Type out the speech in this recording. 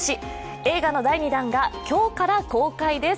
映画の第２弾が今日から公開です。